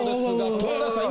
豊田さん